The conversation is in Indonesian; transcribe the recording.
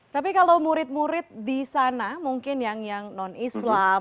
tapi kalau murid murid di sana mungkin yang non islam